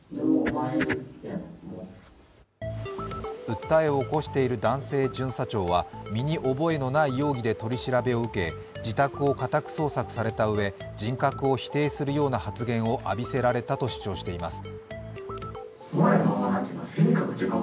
訴えを起こしている男性巡査長は、身に覚えのない容疑で取り調べを受け、自宅を家宅捜索されたうえ人格を否定するような発言を浴びせられたと主張しています。